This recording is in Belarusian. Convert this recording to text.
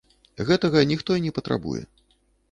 Гэтага ніхто і не патрабуе.